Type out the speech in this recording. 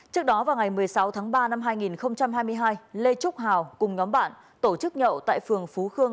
trước đó vào ngày một mươi sáu tháng ba năm hai nghìn hai mươi hai lê trúc hào cùng nhóm bạn tổ chức nhậu tại phường phú khương